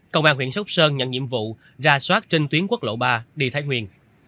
công an huyện sóc sơn nhận nhiệm vụ đà xóa trên tuyến quốc lộ ba đi thái nguyên